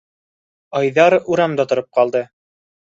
Айҙар урамда тороп ҡалды.